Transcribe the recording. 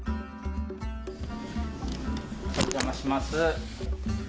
お邪魔します。